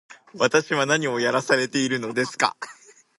私は何をやらされているのですか